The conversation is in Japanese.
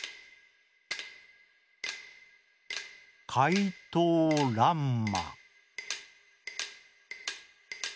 「かいとうらんま」。